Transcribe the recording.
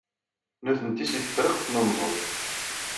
Nitenti seg Tefriqt n Unẓul.